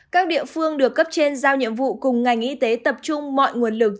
các địa phương được cấp trên giao nhiệm vụ cùng ngành y tế tập trung mọi nguồn lực